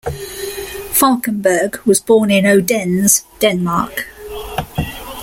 Falkenberg was born in Odense, Denmark.